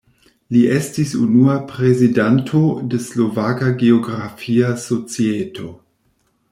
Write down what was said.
Li estis unua prezidanto de Slovaka geografia societo.